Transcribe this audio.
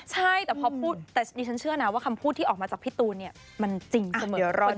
ใช่แต่พอพูดแต่ดิฉันเชื่อนะว่าคำพูดที่ออกมาจากพี่ตูนเนี่ยมันจริงเสมอ